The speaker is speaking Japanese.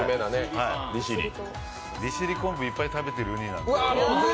利尻昆布いっぱい食べているうになので。